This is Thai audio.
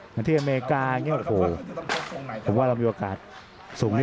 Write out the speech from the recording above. อย่างที่อเมริกาผมว่ามีโอกาสสูงนี้